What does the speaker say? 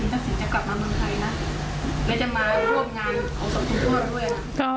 หรือจะมาพร่อมงานครองกลุ่มพ่อด้วย